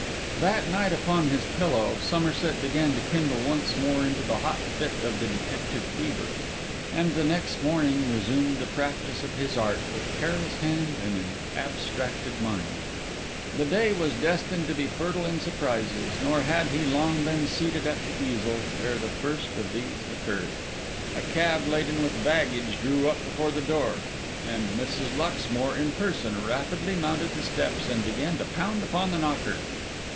That night upon his pillow, Somerset began to kindle once more into the hot fit of the detective fever; and the next morning resumed the practice of his art with careless hand and an abstracted mind. The day was destined to be fertile in surprises; nor had he long been seated at the easel ere the first of these occurred. A cab laden with baggage drew up before the door; and Mrs. Luxmore in person rapidly mounted the steps and began to pound upon the knocker.